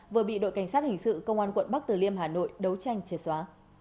vừa bị đội cảnh sát hình sự công an quận bắc tử liêm hà nội đấu tranh chết xóa